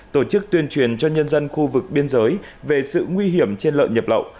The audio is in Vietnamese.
tổ chức tuyên truyền cho nhân dân khu vực biên giới về sự nguy hiểm trên lợn nhập lậu